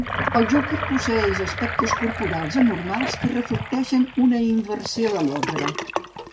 El Joker posseeix aspectes corporals anormals que reflecteixen una inversió de l'ordre.